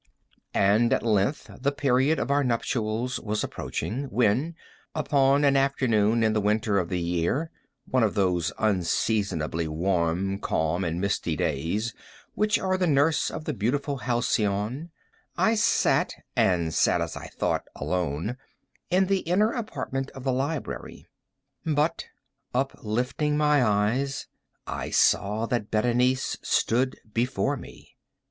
And at length the period of our nuptials was approaching, when, upon an afternoon in the winter of the year—one of those unseasonably warm, calm, and misty days which are the nurse of the beautiful Halcyon (*1),—I sat, (and sat, as I thought, alone,) in the inner apartment of the library. But, uplifting my eyes, I saw that Berenice stood before me.